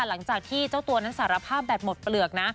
หลังจากที่เจ้าตัวนั้นสารภาพแบบหมดเปลือกนะ